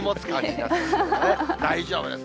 大丈夫です。